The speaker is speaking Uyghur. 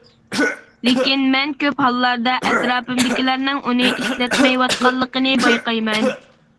لېكىن مەن كۆپ ھاللاردا ئەتراپىمدىكىلەرنىڭ ئۇنى ئىشلەتمەيۋاتقانلىقىنى بايقايمەن.